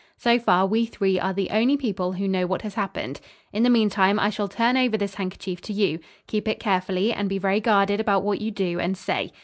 So far, we three are the only people who know what has happened. In the meantime, I shall turn over this handkerchief to you. Keep it carefully and be very guarded about what you do and say.